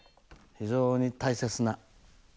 非常に大切な。